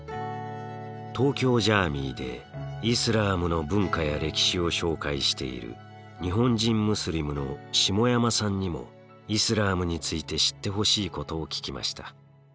東京ジャーミイでイスラームの文化や歴史を紹介している日本人ムスリムの下山さんにもイスラームについて知ってほしいことを聞きました。